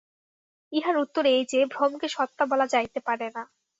ইহার উত্তর এই যে, ভ্রমকে সত্তা বলা যাইতে পারে না।